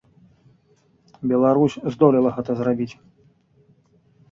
Беларусь здолела гэта зрабіць.